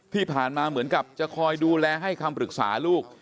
ที่ผ่านมาเหมือนกับจะคอยดูแลให้คำปรึกษาลูก